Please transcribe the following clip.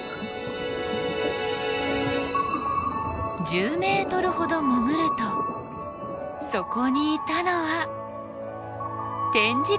１０ｍほど潜るとそこにいたのはテンジクダイの仲間。